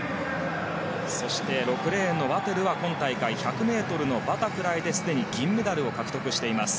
そして６レーンのワテルは今大会１００ｍのバタフライですでに銀メダルを獲得しています。